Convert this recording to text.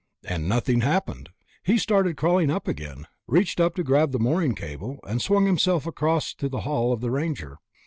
And nothing happened. He started crawling upward again, reached up to grab the mooring cable, and swung himself across to the hull of the Ranger.